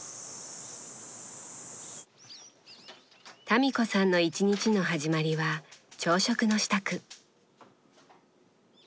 民子さんの一日の始まりは朝食の支度。